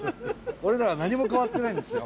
俺らは何も変わってないんですよ